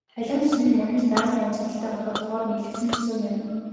Халиун зүсэм нь мөн л байгалийн үзэгдэлтэй холбоотойгоор нэрлэгдсэн зүсэм юм.